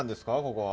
ここは。